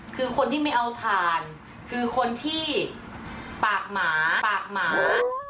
คือคนที่ไม่เอาทานคือคนที่ปากหมา